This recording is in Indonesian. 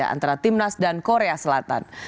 antara timnas dan korea selatan